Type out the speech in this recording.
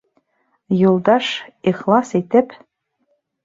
Юлдаш, ихлас итеп: